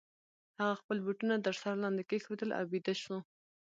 هغه خپل بوټونه تر سر لاندي کښېښودل او بیده سو.